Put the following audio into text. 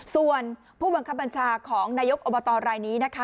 ส่วนผู้บังคับบัญชาของนายกอบตรายนี้นะคะ